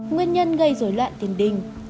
nguyên nhân gây dối loạn tiền đình